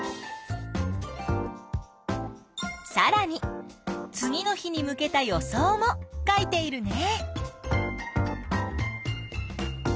さらに次の日に向けた予想も書いているね。